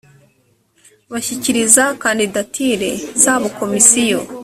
bashyikiriza kandidatire zabo komisiyo